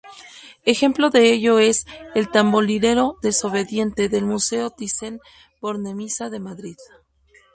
Ejemplo de ello es "El tamborilero desobediente" del Museo Thyssen-Bornemisza de Madrid.